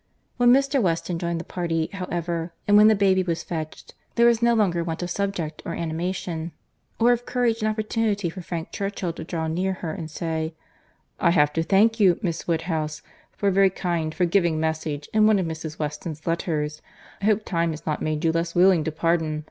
When Mr. Weston joined the party, however, and when the baby was fetched, there was no longer a want of subject or animation—or of courage and opportunity for Frank Churchill to draw near her and say, "I have to thank you, Miss Woodhouse, for a very kind forgiving message in one of Mrs. Weston's letters. I hope time has not made you less willing to pardon.